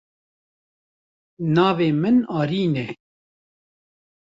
Navê min Arîn e.